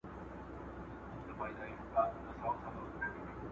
د مفاعلې باب دلته څه معنا لري؟